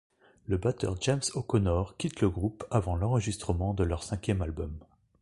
Le batteur James O'Connor quitte le groupe avant l'enregistrement de leur cinquième album, '.